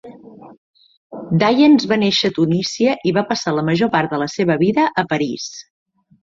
Dyens va néixer a Tunisia i va passar la major part de la seva vida a París.